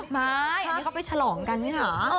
ไม่อันนี้เขาไปฉลองกันนี่เหรอ